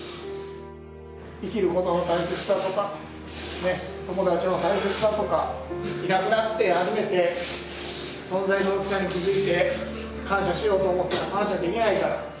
生きることの大切さとか、友達の大切さとか、いなくなって初めて存在の大きさに気づいて感謝しようと思っても感謝できないから。